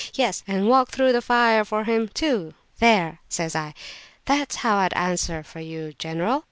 Yes, and walk through the fire for him, too." There,' says I, 'that's how I'd answer for you, general!